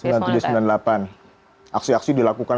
aksi aksi dilakukan secara maksimal